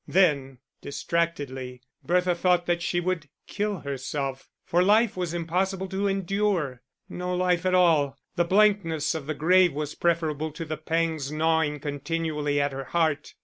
Then distractedly Bertha thought that she would kill herself, for life was impossible to endure. No life at all, the blankness of the grave, was preferable to the pangs gnawing continually at her heart.